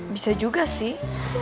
bisa juga sih